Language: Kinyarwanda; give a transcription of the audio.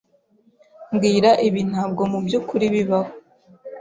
Mbwira ibi ntabwo mubyukuri bibaho.